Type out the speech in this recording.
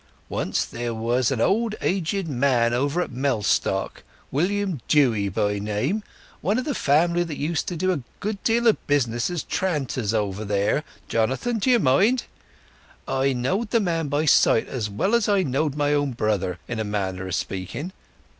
Once there was an old aged man over at Mellstock—William Dewy by name—one of the family that used to do a good deal of business as tranters over there—Jonathan, do ye mind?—I knowed the man by sight as well as I know my own brother, in a manner of speaking.